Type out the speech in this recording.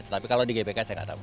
tapi kalau di gbk saya nggak tahu